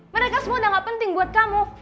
mereka semua udah gak penting buat kamu